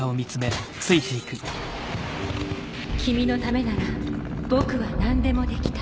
銃撃音「君のためなら僕は何でもできた」。